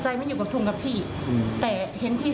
จริงใช่ไหม